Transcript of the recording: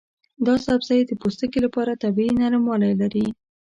دا سبزی د پوستکي لپاره طبیعي نرموالی لري.